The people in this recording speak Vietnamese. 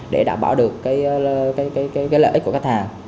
để đảm bảo được cái lợi ích của khách hàng